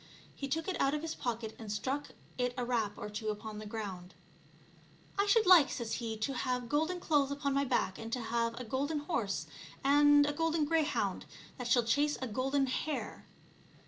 He took it out of his pocket and struck it a rap or two upon the ground. " I should like," says he, " to have golden clothes upon my back, and to have a golden horse and a golden greyhound that shall chase a golden hare."